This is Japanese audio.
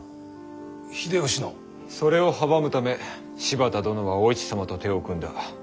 それを阻むため柴田殿がお市様と手を組んだ。